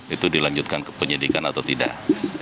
itu dilanjutkan ke penyidikan atau tidak